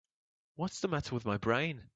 What's the matter with my brain?